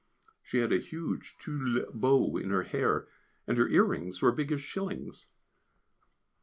She had a huge tulle bow in her hair, and her earrings were as big as shillings.